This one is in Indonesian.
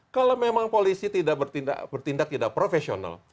kalau memang polisi tidak bertindak tidak profesional